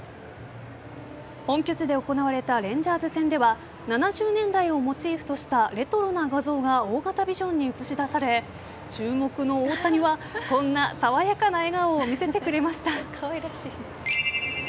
本拠地で行われたレンジャーズ戦では７０年代をモチーフとしたレトロな画像が大型ビジョンに映し出され注目の大谷はこんな爽やかな笑顔を見せてくれました。